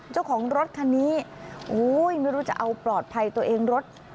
เจ้าของรถคันนี้ไม่รู้จะเอาปลอดภัยตัวเองรถ